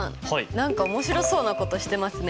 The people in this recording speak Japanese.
何か面白そうなことしてますね。